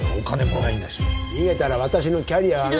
逃げたら私のキャリアが。